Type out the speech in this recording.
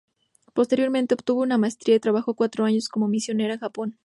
Posteriormente obtuvo una maestría y trabajó cuatro años como misionera en Japón.